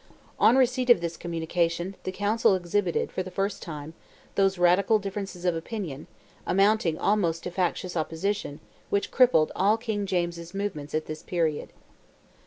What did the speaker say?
On receipt of this communication, the Council exhibited, for the first time, those radical differences of opinion, amounting almost to factious opposition, which crippled all King James's movements at this period.